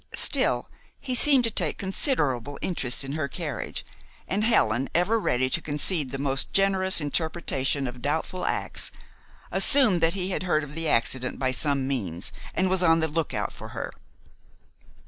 Still, he seemed to take considerable interest in her carriage, and Helen, ever ready to concede the most generous interpretation of doubtful acts, assumed that he had heard of the accident by some means, and was on the lookout for her.